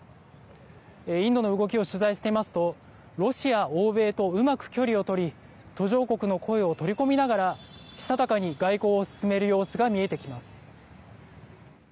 インドの動きを取材していますとロシア、欧米とうまく距離を取り途上国の声を取り込みながらしたたかに外交を進める様子が見えてきます。